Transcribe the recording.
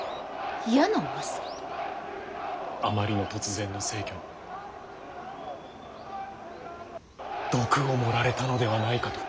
あまりの突然の逝去に毒を盛られたのではないかと。